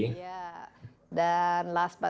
baik mbak desi